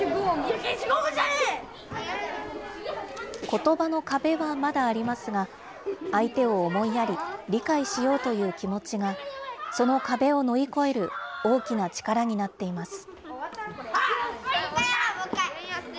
ことばの壁はまだありますが、相手を思いやり、理解しようという気持ちが、その壁を乗り越える大きな力になっています。